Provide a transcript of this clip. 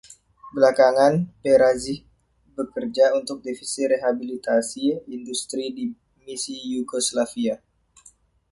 Belakangan, Perazich bekerja untuk Divisi Rehabilitasi Industri di Misi Yugoslavia.